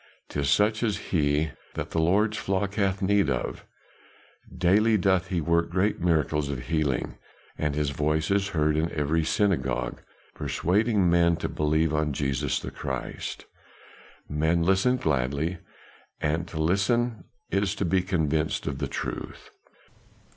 "'Tis such as he that the Lord's flock hath need of; daily doth he work great miracles of healing, and his voice is heard in every synagogue persuading men to believe on Jesus the Christ. Men listen gladly; and to listen is to be convinced of the truth."